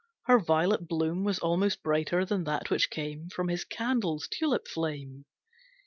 Her violet bloom Was almost brighter than that which came From his candle's tulip flame.